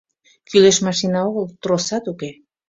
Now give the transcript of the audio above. Кӱлеш машина огыл, тросат уке.